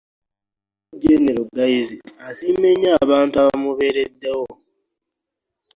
Namwandu Jane Lugayizi asiimye nnyo abantu abamubeereddewo